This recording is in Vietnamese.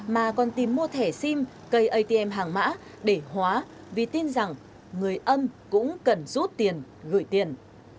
mà còn tìm mua thẻ sim cây atm hàng mã để hóa vì tin rằng người âm cũng cần rút tiền gửi tiền